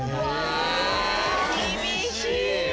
え厳しい。